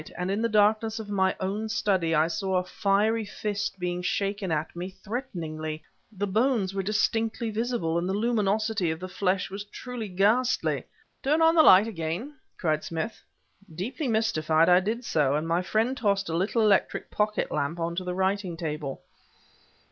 and in the darkness of my own study I saw a fiery fist being shaken at me threateningly!... The bones were distinctly visible, and the luminosity of the flesh was truly ghastly. "Turn on the light, again!" cried Smith. Deeply mystified, I did so... and my friend tossed a little electric pocket lamp on to the writing table.